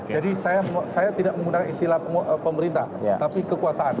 jadi saya tidak menggunakan istilah pemerintah tapi kekuasaan